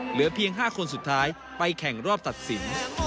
เหลือเพียง๕คนสุดท้ายไปแข่งรอบตัดสิน